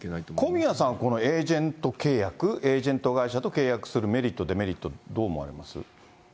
小宮さん、エージェント契約、エージェント会社と契約するメリット、デメリット、どう思われます？